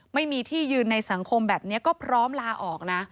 ไม่มีที่ยืนในสังคมแบบนี้ก็พร้อมลาออกนะ